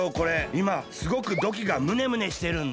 いますごくドキが胸胸してるんだ。